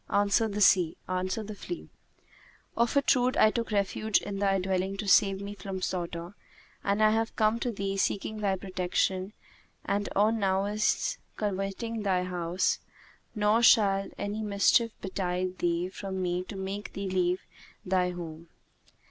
Answered the flea, "Of a truth, I took refuge in thy dwelling to save me from slaughter; and I have come to thee seeking thy protection and on nowise coveting thy house; nor shall any mischief betide thee from me to make thee leave thy home.